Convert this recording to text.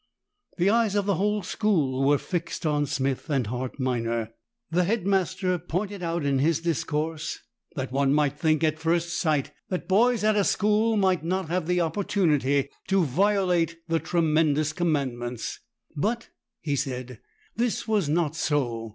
The eyes of the whole school were fixed on Smith and Hart Minor. The Head Master pointed out in his discourse that one might think at first sight that boys at a school might not have the opportunity to violate the tremendous Commandments; but, he said, this was not so.